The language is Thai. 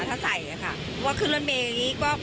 ถ้าใส่ค่ะเพราะว่าขึ้นรถเมย์อย่างนี้ก็